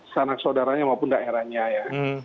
sanak saudaranya maupun daerahnya ya